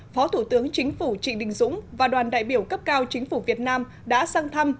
phó thủ tướng chính phủ trịnh đình dũng và đoàn đại biểu cấp cao chính phủ việt nam đã sang thăm